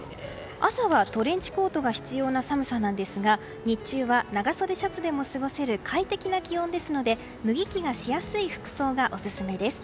朝はトレンチコートが必要な寒さなんですが日中は長袖シャツでも過ごせる快適な気温ですので脱ぎ着がしやすい服装がオススメです。